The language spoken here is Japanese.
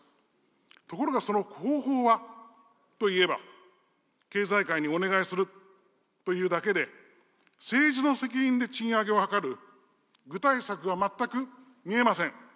ところが、その方法はといえば、経済界にお願いするというだけで、政治の責任で賃上げを図る具体策が全く見えません。